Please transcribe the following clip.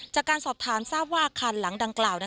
จากการสอบถามทราบว่าอาคารหลังดังกล่าว